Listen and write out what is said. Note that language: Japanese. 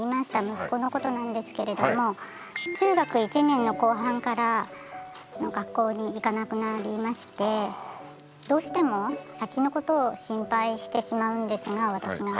息子のことなんですけれども中学１年の後半から学校に行かなくなりましてどうしても先のことを心配してしまうんですが私が。